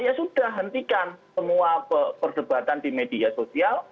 ya sudah hentikan semua perdebatan di media sosial